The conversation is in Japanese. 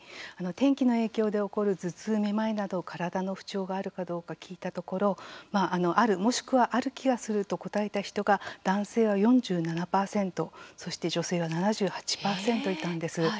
天気の影響で起こる頭痛、めまいなど体の不調があるかどうか聞いたところある、もしくはある気がすると答えた人が男性は４７％そして女性は７８％いたんです。